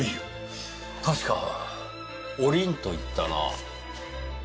確かおりんといったな。